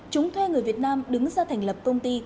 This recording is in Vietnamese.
chúng thuê người việt nam đứng ra thành lập công ty